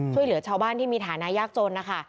ช่วยเหลือชาวบ้านที่มีฐานะยากจนนะคะ